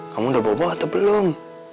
kamu udah boboh atau belum